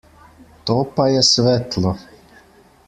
To pa je svetlo!